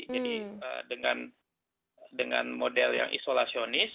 jadi dengan model yang isolasionis